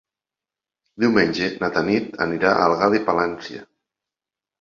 Diumenge na Tanit anirà a Algar de Palància.